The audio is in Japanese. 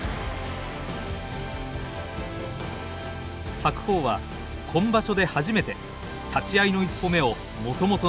白鵬は今場所で初めて立ち合いの１歩目をもともとの左足に。